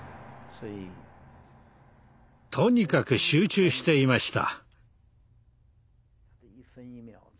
とにかく集中していました。